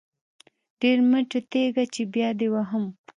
ډير مه ټرتيږه چې بيا دې وهم.